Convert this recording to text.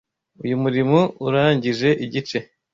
Uyu murimo urangije igice.